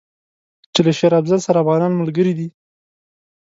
چې له شېر افضل سره افغانان ملګري دي.